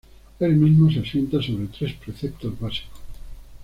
El mismo se asienta sobre tres preceptos básicos.